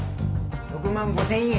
６万５０００円。